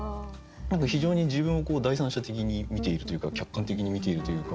非常に自分を第三者的に見ているというか客観的に見ているというか。